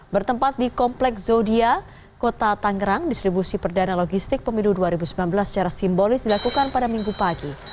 bertempat di komplek zodia kota tangerang distribusi perdana logistik pemilu dua ribu sembilan belas secara simbolis dilakukan pada minggu pagi